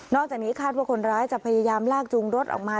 จากนี้คาดว่าคนร้ายจะพยายามลากจูงรถออกมา